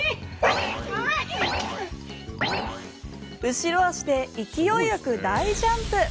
後ろ足で勢いよく大ジャンプ。